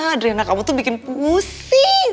adriana kamu tuh bikin pusing